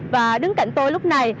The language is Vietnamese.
và đứng cạnh tôi lúc này